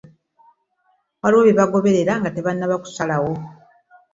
Waliwo bye bagoberera nga tebannaba kusalawo.